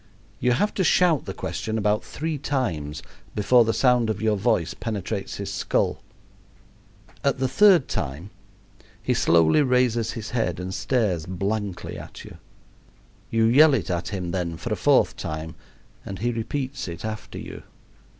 You have to shout the question about three times before the sound of your voice penetrates his skull. At the third time he slowly raises his head and stares blankly at you. You yell it at him then for a fourth time, and he repeats it after you.